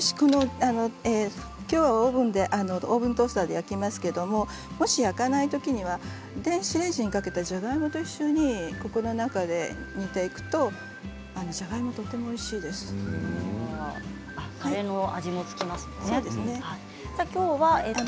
きょうはオーブントースターで焼きますけれど焼かないときには電子レンジにかけたじゃがいもと一緒にこの中に煮ていくとカレーの味もつきますよね。